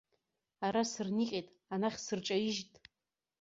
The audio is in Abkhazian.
Ара сырниҟьеит, анахь сырҿаижьт.